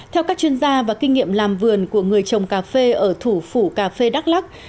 theo các chuyên gia và kinh nghiệm làm vườn của người trồng cà phê ở thủ phủ cà phê đắk lắc